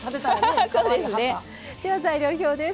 では材料表です。